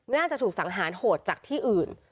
น่าจะถูกสังหารโหดจากที่อื่น